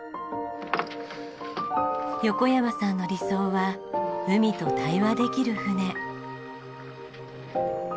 横山さんの理想は海と対話できる船。